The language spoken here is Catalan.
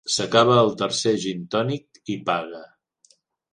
S'acaba el tercer gintònic i paga.